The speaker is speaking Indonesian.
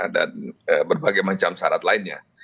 dan berbagai macam syarat lainnya